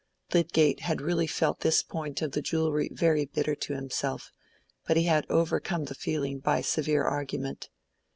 Lydgate had really felt this point of the jewellery very bitter to himself; but he had overcome the feeling by severe argument.